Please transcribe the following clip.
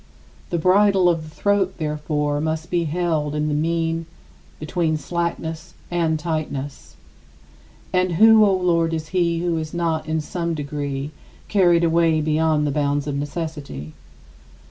The bridle of the throat, therefore, must be held in the mean between slackness and tightness. And who, O Lord, is he who is not in some degree carried away beyond the bounds of necessity?